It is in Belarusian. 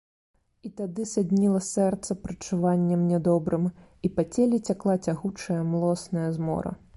І тады садніла сэрца прадчуваннем нядобрым, і па целе цякла цягучая, млосная змора.